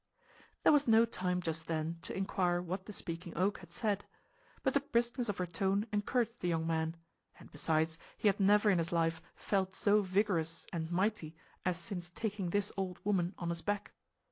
There was no time just then to inquire what the Speaking Oak had said. But the briskness of her tone encouraged the young man; and, besides, he had never in his life felt so vigorous and mighty as since taking this old woman on his back.